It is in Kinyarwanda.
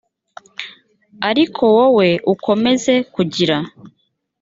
ariko wowe ukomeze kugira